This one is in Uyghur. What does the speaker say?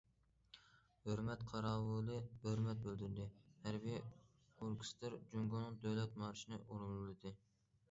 ھۆرمەت قاراۋۇلى ھۆرمەت بىلدۈردى، ھەربىي ئوركېستىر جۇڭگونىڭ دۆلەت مارشىنى ئورۇنلىدى.